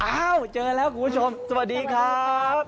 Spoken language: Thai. อ้าวเจอแล้วคุณผู้ชมสวัสดีครับ